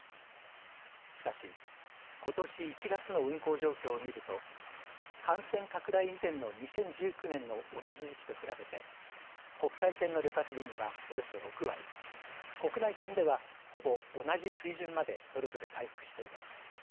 しかし、ことし１月の運航状況を見ると感染拡大以前の２０１９年の同じ時期と比べて国際線の旅客便はおよそ６割国内線では、ほぼ同じ水準までそれぞれ回復しています。